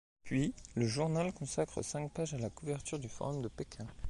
Puis le journal consacre cinq pages à la couverture du forum de Pékin.